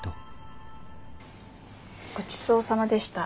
ごちそうさまでした。